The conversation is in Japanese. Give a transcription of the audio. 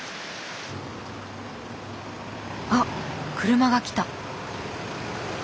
あっ車が来た。